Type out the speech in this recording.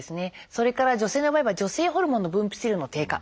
それから女性の場合は女性ホルモンの分泌量の低下。